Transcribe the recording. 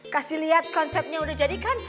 kasih lihat konsepnya udah jadikan